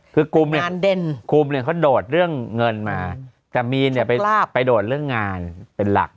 คือกุมเนี่ยกลุ่มเนี่ยเขาโดดเรื่องเงินมาแต่มีนเนี่ยไปโดดเรื่องงานเป็นหลัก